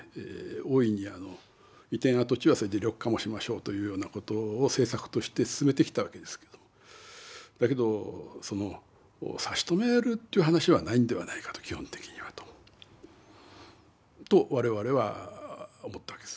大いに移転跡地は緑化もしましょうというようなことを政策として進めてきたわけですけどだけどその差し止めるという話はないんではないかと基本的にはとと我々は思ったわけです。